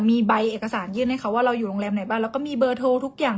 มีใบเอกสารยื่นให้เขาว่าเราอยู่โรงแรมไหนบ้างแล้วก็มีเบอร์โทรทุกอย่าง